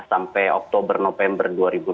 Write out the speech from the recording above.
sampai oktober november dua ribu dua puluh